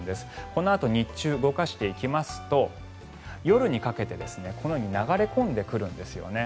このあと日中動かしていきますと夜にかけて流れ込んでくるんですよね。